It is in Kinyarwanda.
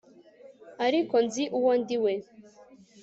ariko nzi uwo ndi we